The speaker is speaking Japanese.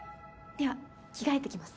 では着替えてきます